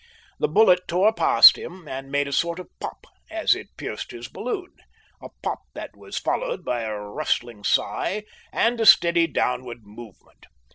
The bullet tore past him and made a sort of pop as it pierced his balloon a pop that was followed by a rustling sigh and a steady downward movement.